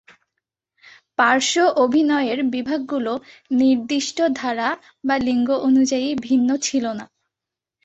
পার্শ্ব অভিনয়ের বিভাগগুলো নির্দিষ্ট ধারা বা লিঙ্গ অনুযায়ী ভিন্ন ছিল না।